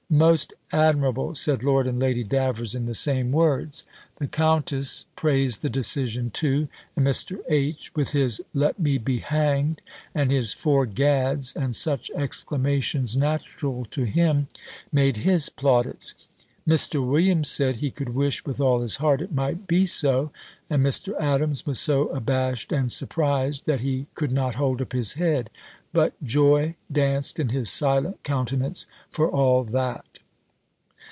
most admirable!" said Lord and Lady Davers, in the same words. The countess praised the decision too; and Mr. H. with his "Let me be hang'd," and his "Fore Gad's," and such exclamations natural to him, made his plaudits. Mr. Williams said, he could wish with all his heart it might be so; and Mr. Adams was so abashed and surprised, that he could not hold up his head; but joy danced in his silent countenance, for all that.